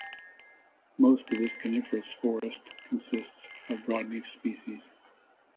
Most of this coniferous forest consists of broad leaf species.